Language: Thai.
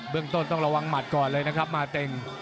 เรื่องต้นต้องระวังหมัดก่อนเลยนะครับมาเต็ง